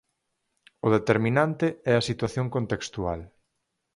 O determinante é a situación contextual.